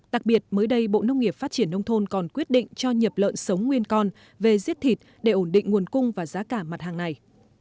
đặc biệt mới đây bộ nông nghiệp phát triển nông thôn còn quyết định cho nhập lợn sống nguyên con về giết thịt để ổn định nguồn cung và giá cả mặt hàng này